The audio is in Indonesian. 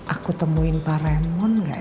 aku temuin pak raymond gak ya